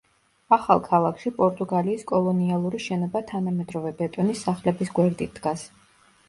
ახალ ქალაქში პორტუგალიის კოლონიალური შენობა თანამედროვე ბეტონის სახლების გვერდით დგას.